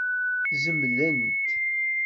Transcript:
Zemlent?